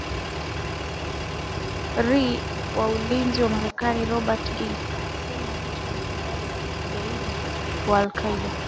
ri wa ulinzi wa marekani robert gates amesema licha ya mtandao kigaidi wa alqaeda